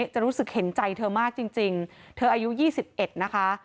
จะรู้สึกเห็นใจเธอมากจริงเธออายุ๒๑นะคะ